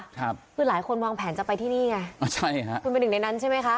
ครับคือหลายคนวางแผนจะไปที่นี่ไงอ๋อใช่ฮะคุณเป็นหนึ่งในนั้นใช่ไหมคะ